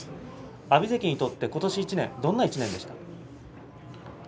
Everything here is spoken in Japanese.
阿炎関にとって、この１年どんな１年でしたか？